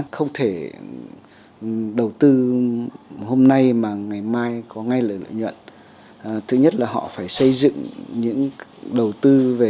không thể đầu tư hôm nay mà ngày mai có ngay lời nhuận thứ nhất là họ phải xây dựng những đầu tư về